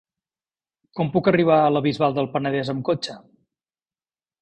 Com puc arribar a la Bisbal del Penedès amb cotxe?